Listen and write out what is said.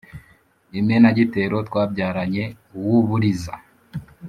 Imenagitero twabyaranye uw’uburiza